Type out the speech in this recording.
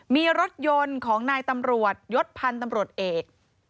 มีรถยนต์ของนายตำรวจยศพันธ์ตำรวจเอก